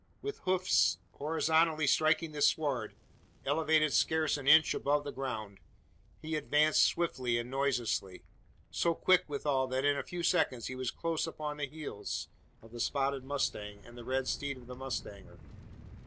With hoofs horizontally striking the sward elevated scarce an inch above the ground he advanced swiftly and noiselessly; so quick withal, that in a few seconds he was close upon the heels of the spotted mustang, and the red steed of the mustanger!